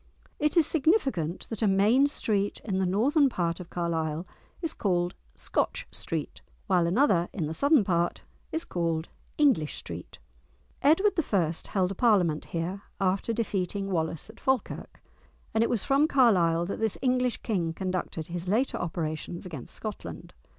It is significant that a main street in the northern part of Carlisle is called "Scotch Street," while another in the southern part is called "English Street!" Edward I. held a parliament here after defeating Wallace at Falkirk; and it was from Carlisle that this English King conducted his later operations against Scotland.